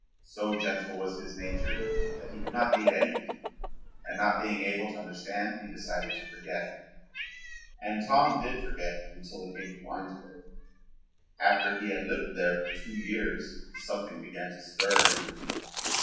So gentle was his nature that he could not hate anything and not being able to understand he decided to forget. And Tom did forget until he came to Winesburg. After he had lived there for two years something began to stir in him.